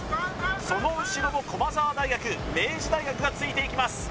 その後ろを駒澤大学明治大学がついていきます